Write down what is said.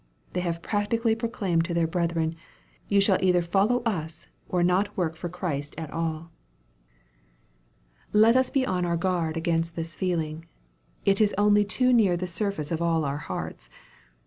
They have practically proclaimed to their brethren, "you shall either follow us, or not work for Christ at all." MARK, CHAP. IX. 191 Let us be on oar gua, rd against this feeling. It is only too near the surface of all our hearts.